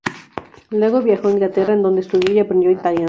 Luego viajó a Inglaterra, en donde estudió y aprendió italiano.